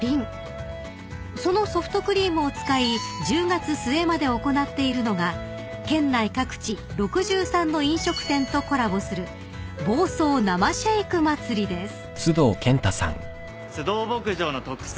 ［そのソフトクリームを使い１０月末まで行っているのが県内各地６３の飲食店とコラボする房総生シェイク祭りです］